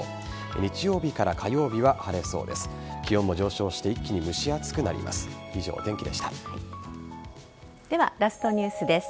日曜日から火曜日は晴れそうです。